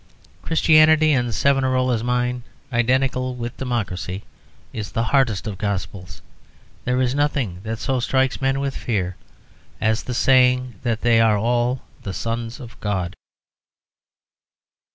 Christianity, in Savonarola's mind, identical with democracy, is the hardest of gospels; there is nothing that so strikes men with fear as the saying that they are all the sons of God.